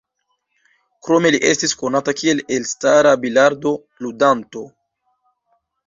Krome li estis konata kiel elstara bilardo-ludanto.